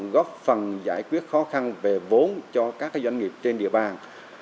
góp phần giải quyết khó khăn về vốn cho các doanh nghiệp trên địa bàn